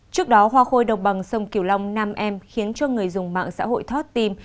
trước đó hoa khôi đồng bằng sông kiều long nam em khiến cho người dùng mạng xã hội thót tim